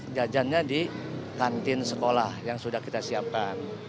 tetapi anak anak jajannya di kantin sekolah yang sudah kita siapkan